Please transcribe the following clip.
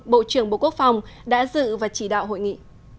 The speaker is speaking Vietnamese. bộ trưởng bộ quốc phòng đã dự và chỉ đạo hội nghị